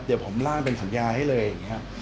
เดี๋ยวผมล่างเป็นสัญญาให้เลยอย่างนี้